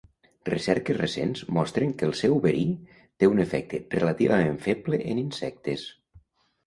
Recerques recents mostren que el seu verí té un efecte relativament feble en insectes.